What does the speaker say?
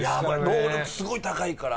能力すごい高いから。